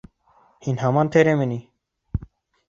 — Һин һаман тереме ни?